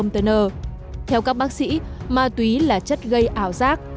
theo các bác sĩ ma túy là chất gây ảo giác